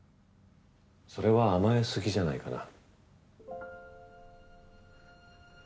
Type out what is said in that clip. それは甘え過ぎじゃないかな？